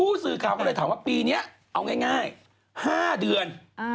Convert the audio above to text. ผู้สื่อข่าวก็เลยถามว่าปีนี้เอาง่าย๕เดือน